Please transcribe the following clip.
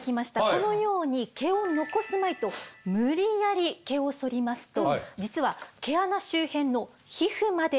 このように毛を残すまいと無理やり毛をそりますと実は毛穴周辺の皮膚まで傷つけてしまうんです。